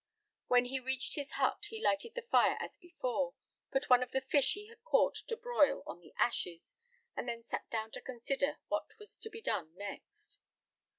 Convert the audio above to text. When he reached his hut, he lighted the fire as before, put one of the fish he had caught to broil on the ashes, and then sat down to consider what was to be done next.